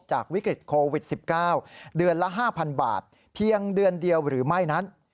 วิกฤตโควิด๑๙เดือนละ๕๐๐๐บาทเพียงเดือนเดียวหรือไม่นั้น